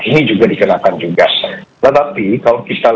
ini juga dikenakan juga